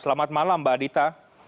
selamat malam mbak adita